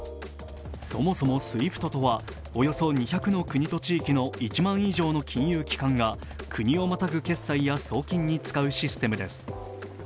そもそもＳＷＩＦＴとは、およそ２００の国と地域の１万以上の金融機関が国をまたぐ決済や送金に使うシステムです。